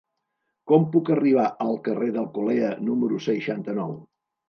Com puc arribar al carrer d'Alcolea número seixanta-nou?